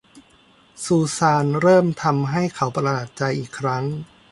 ซูซานเริ่มทำให้เขาประหลาดใจอีกครั้ง